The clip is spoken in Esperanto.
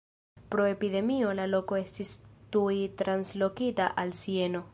Pro epidemio la loko estis tuj translokita al Sieno.